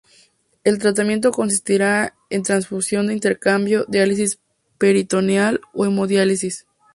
El tratamiento consistirá en transfusión de intercambio, diálisis peritoneal o hemodiálisis.